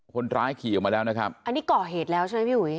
คนร้ายขี่ออกมาแล้วนะครับอันนี้ก่อเหตุแล้วใช่ไหมพี่อุ๋ย